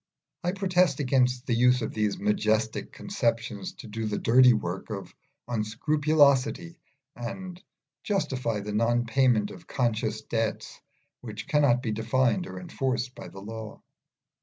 I protest against the use of these majestic conceptions to do the dirty work of unscrupulosity and justify the non payment of conscious debts which cannot be defined or enforced by the law.